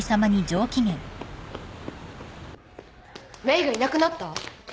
メイがいなくなった？